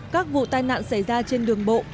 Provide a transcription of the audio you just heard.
các vụ tai nạn xảy ra trên đường bộ